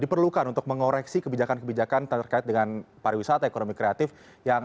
diperlukan untuk mengoreksi kebijakan kebijakan terkait dengan pariwisata ekonomi kreatif yang